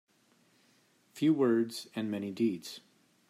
Few words and many deeds.